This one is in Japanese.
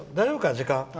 時間。